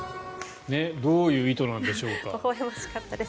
どういう意図なんでしょうか？